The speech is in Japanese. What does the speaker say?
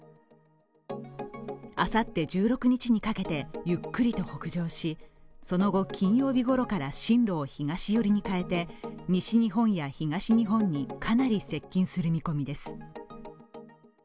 あさって１６日にかけてゆっくりと北上しその後、金曜日ごろから進路を東寄りに変えて西日本や東日本にかなり接近する見込みです。